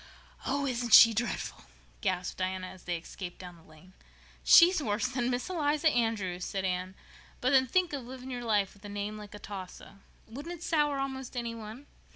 "Oh, isn't she dreadful?" gasped Diana, as they escaped down the lane. "She's worse than Miss Eliza Andrews," said Anne. "But then think of living all your life with a name like Atossa! Wouldn't it sour almost any one?